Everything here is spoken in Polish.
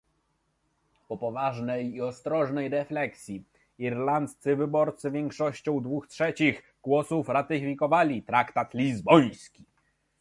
Po poważnej i ostrożnej refleksji, irlandzcy wyborcy większością dwóch trzecich głosów ratyfikowali traktat lizboński